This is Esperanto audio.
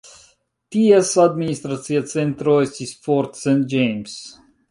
Ties administracia centro estis Fort St. James.